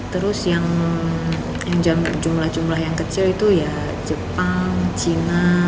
terus yang jumlah jumlah yang kecil itu ya jepang cina